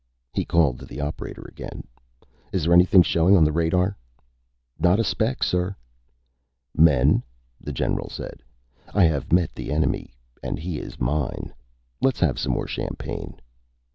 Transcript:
He called to the operator again. "Is there anything showing on the radar?" "Not a speck, sir." "Men," the general said, "I have met the enemy and he is mine. Let's have some more champagne."